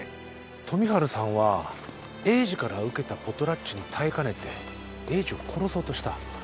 富治さんは栄治から受けたポトラッチに耐えかねて栄治を殺そうとした。